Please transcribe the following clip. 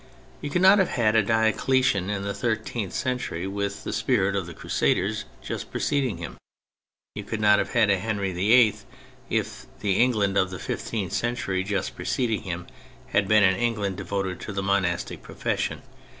You could not have had a Diocle tian in the thirteenth century with the spirit of the Crusaders just preceding him; you could not have had Henry VIII if the England of the fifteenth century just preceding him had been an England devoted to the monastic profession.